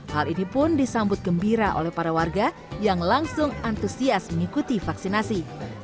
hal ini pun disambut gembira oleh para warga yang langsung antusias mengikuti vaksinasi